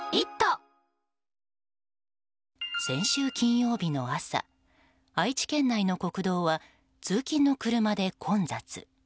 先週金曜日の朝愛知県内の国道は通勤の車で混雑。